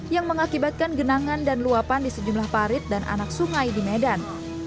yang mengakibatkan genangan dan luapan di sejumlah parit dan anak sungai di medan